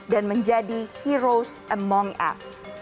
dan menjadi heroes among us